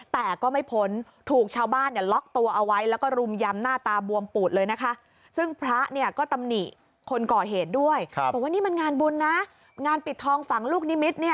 แต่ก็ไม่พ้นถูกชาวบ้านล็อกตัวเอาไว้